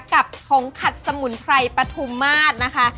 กับของขัดสมุนไพรปะทุมาสนะคะ